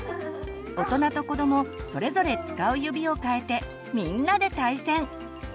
大人と子どもそれぞれ使う指を変えてみんなで対戦！